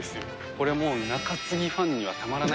これもう中継ぎファンにはたまらない。